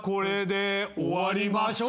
「終わりましょう」